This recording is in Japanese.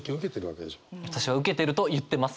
私は受けてると言ってます